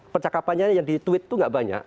percakapannya yang di tweet itu nggak banyak